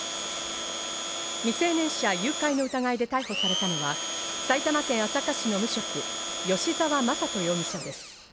未成年者誘拐の疑いで逮捕されたのは埼玉県朝霞市の無職、吉沢優人容疑者です。